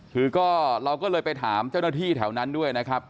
คือก็เราก็เลยไปถามเจ้าหน้าที่แถวนั้นด้วยนะครับ